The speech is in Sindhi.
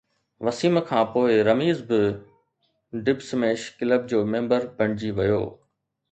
وسيم کانپوءِ رميز به ڊب سميش ڪلب جو ميمبر بڻجي ويو